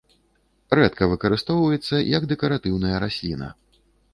Рэдка выкарыстоўваецца як дэкаратыўная расліна.